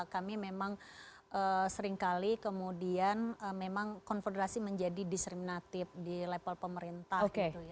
kami memang seringkali kemudian memang konfederasi menjadi diskriminatif di level pemerintah